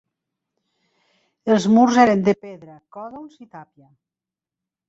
Els murs eren de pedra, còdols i tàpia.